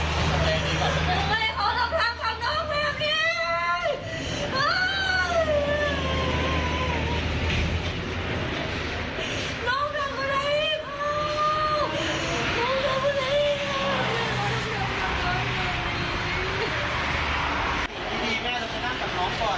ผมก็ไปรับคณะกับพี่ก่อน